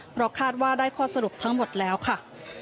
เพราะคาดว่าได้ข้อสรุปทั้งหมดแล้วค่ะ